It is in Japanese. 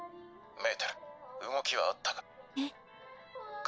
メーテル動きはあったか？